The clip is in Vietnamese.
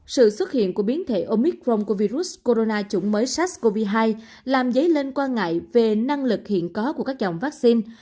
sự xuất hiện của biến thể omicron của virus corona chủng mới sars cov hai làm dấy lên quan ngại về năng lực hiện có của các dòng vaccine